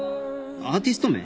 アーティスト名？